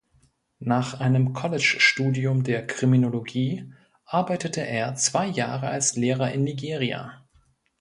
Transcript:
Nach einem College-Studium der Kriminologie arbeitete er zwei Jahre als Lehrer in Nigeria.